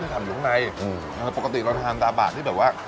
มีความอยู่ข้างในอืมแต่ปกติเราทานตาบะที่แบบว่า